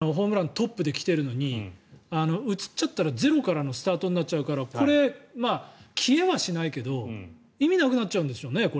せっかく、ここまでホームラントップで来てるのに移っちゃったらゼロからのスタートになるからこれ、消えはしないけど意味なくなっちゃうんですよね。